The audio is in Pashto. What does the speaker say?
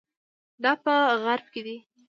دا په غرب کې دي.